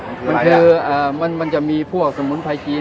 มันคือมันจะมีพวกสมุนไพรจีน